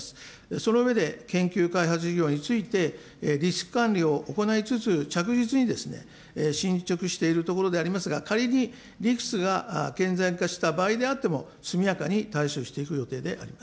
その上で、研究開発事業について、リスク管理を行いつつ、着実に進ちょくしているところでありますが、仮にリスクが顕在化した場合であっても、速やかに対処していく予